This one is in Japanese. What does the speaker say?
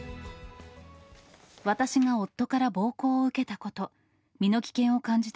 私が夫から暴行を受けたこと、身の危険を感じた